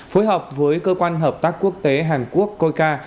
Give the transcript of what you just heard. phối hợp với cơ quan hợp tác quốc tế hàn quốc coica